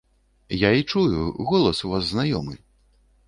Я і чую, голас у вас знаёмы!